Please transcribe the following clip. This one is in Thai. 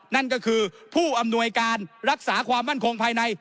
นั่นก็คือผู้อำนวยการรักษาความมั่นคงภายใน